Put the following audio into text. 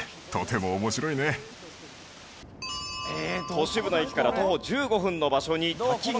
都市部の駅から徒歩１５分の場所に滝があります。